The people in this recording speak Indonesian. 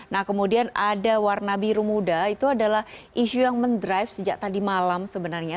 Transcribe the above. nah kemudian ada warna biru muda itu adalah isu yang mendrive sejak tadi malam sebenarnya